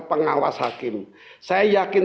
pengawas hakim saya yakin